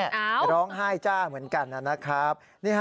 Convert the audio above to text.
ร้องไห้จ้าเหมือนกันนะครับ